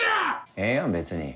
ええやん別に。